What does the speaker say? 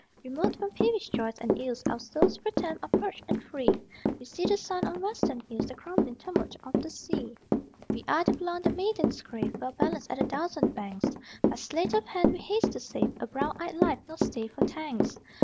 Remote from peevish joys and ills Our souls, pro tem, are purged and free: We see the sun on western hills, The crumbling tumult of the sea. We are the blond that maidens crave, Well balanced at a dozen banks; By sleight of hand we haste to save A brown eyed life, nor stay for thanks!